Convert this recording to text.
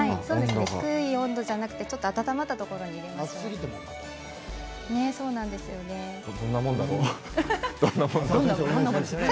低い温度じゃなくちょっと温まったところにどんなもんなんだろう？